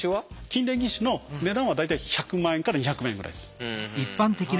筋電義手の値段は大体１００万円から２００万円ぐらいです。